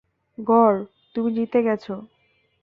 গর, তুমি জিতে গেছ।